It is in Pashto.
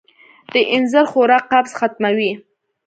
د اینځر خوراک قبض ختموي.